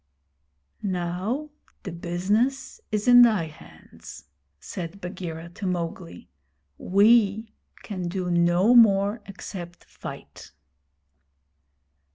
'Now the business is in thy hands,' said Bagheera to Mowgli. 'We can do no more except fight.'